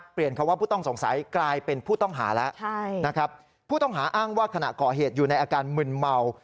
คำว่าผู้ต้องสงสัยกลายเป็นผู้ต้องหาแล้วนะครับผู้ต้องหาอ้างว่าขณะก่อเหตุอยู่ในอาการมึนเมา